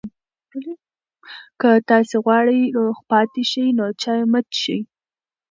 که تاسي غواړئ روغ پاتې شئ، نو چای مه څښئ.